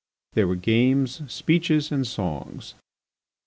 There were games, speeches, and songs.